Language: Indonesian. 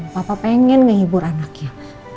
papa pengen ngehibur anaknya